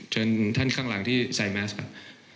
ท่านข้างหลังที่ใส่แมสครับ